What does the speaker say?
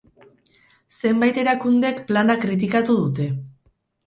Zenbait erakundek plana kritikatu dute.